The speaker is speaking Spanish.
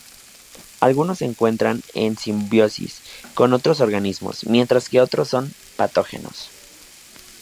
Algunos se encuentran en simbiosis con otros organismos, mientras que otros son patógenos.